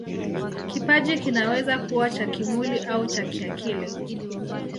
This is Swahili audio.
Kipaji kinaweza kuwa cha kimwili au cha kiakili.